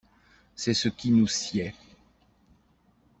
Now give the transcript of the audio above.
C'est ce qui nous sied.